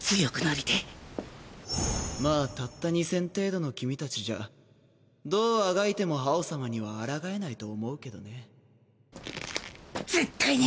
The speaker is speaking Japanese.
ニクロム：まあたった２０００程度どうあがいても葉王様にはあらがえないと思うけどね絶対に！